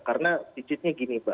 karena situasinya gini